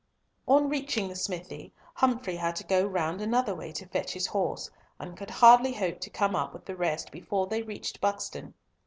On reaching the smithy, Humfrey had to go round another way to fetch his horse, and could hardly hope to come up with the rest before they reached Buxton.